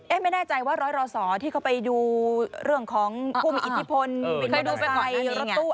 ไม่แน่ใจว่าร้อยรอสอที่เขาไปดูเรื่องของผู้มีอิทธิพลไปดูรถตู้